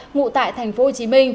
ngụ tại tp hcm